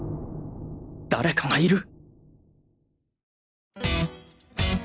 誰かがいる